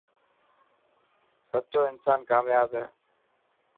سچو انسان ڪامياب هي.